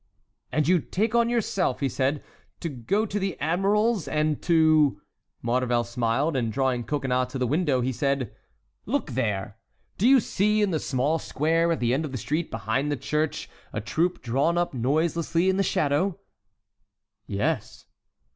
"And you take on yourself," he said, "to go to the admiral's and to"— Maurevel smiled, and drawing Coconnas to the window he said: "Look there!—do you see, in the small square at the end of the street, behind the church, a troop drawn up noiselessly in the shadow?" "Yes."